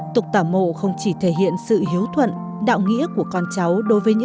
tục tàu mộ không chỉ thể hiện sự hiếu thuận đạo nghĩa của con cháu đối với nhau